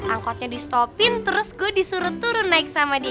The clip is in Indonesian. angkotnya di stopin terus gue disuruh turun naik sama dia